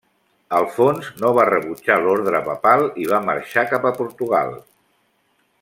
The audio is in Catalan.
Alfons no va rebutjar l'ordre papal i va marxar cap a Portugal.